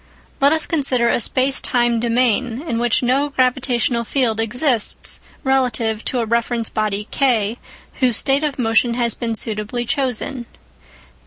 Let us consider a space time domain in which no gravitational field exists relative to a reference body K whose state of motion has been suitably chosen.